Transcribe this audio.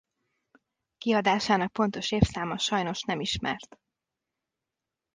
Kiadásának pontos évszáma sajnos nem ismert.